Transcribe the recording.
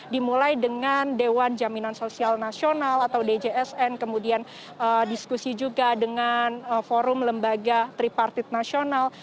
dimulai dengan dewan jaminan sosial nasional atau djsn kemudian diskusi juga dengan forum lembaga tripartit nasional